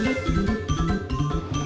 walaupun memang manis